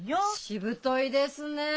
しぶといですねえ！